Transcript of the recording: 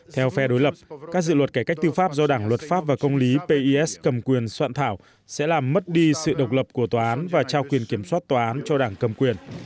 theo phe đối lập các dự luật cải cách tư pháp do đảng luật pháp và công lý pes cầm quyền soạn thảo sẽ làm mất đi sự độc lập của tòa án và trao quyền kiểm soát tòa án cho đảng cầm quyền